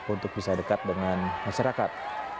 untuk bisa dekat dengan masyarakat